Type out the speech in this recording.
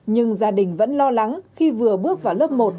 nhưng gia đình vẫn lo lắng khi vừa bước vào lớp một